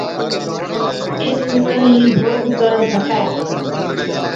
اي سُون ڪهِين ڀوڳ ڪرڻي کپَي۔